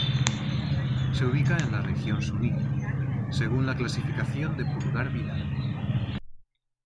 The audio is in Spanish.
Se ubica en la región Suni, según la clasificación de Pulgar Vidal.